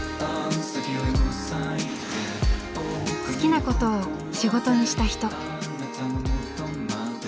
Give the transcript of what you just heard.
好きなことを仕事にした人。